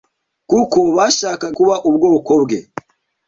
kuko bashakaga kuba ubwoko bwe